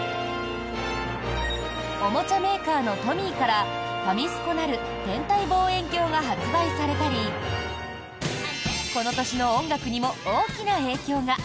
おもちゃメーカーのトミーからファミスコなる天体望遠鏡が発売されたりこの年の音楽にも大きな影響が。